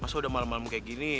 masa udah malem malem kayak gini